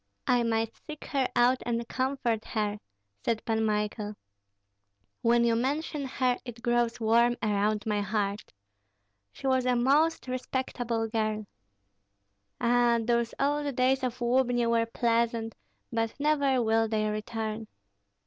"I might seek her out and comfort her," said Pan Michael. "When you mention her it grows warm around my heart. She was a most respectable girl. Ah, those old days of Lubni were pleasant, but never will they return.